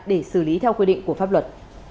để xử lý theo quy định của pháp luật